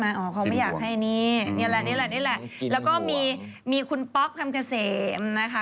อ๋อเขาไม่อยากให้นี่นี่แหละแล้วก็มีคุณป๊อกคำเกษมนะคะ